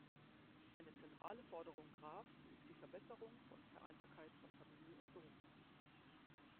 Eine zentrale Forderung Grafs ist die Verbesserung von Vereinbarkeit von Familie und Beruf.